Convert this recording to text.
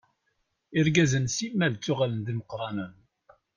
Irgazen simmal ttuɣalen d imeqqṛanen.